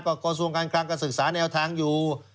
ก็ก็ส่วนการคลังการสื่อสารแนวทางอยู่